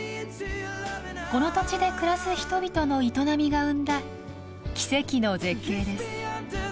この土地で暮らす人々の営みが生んだ奇跡の絶景です。